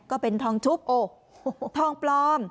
ก็เป็นทองชุบทองปลอม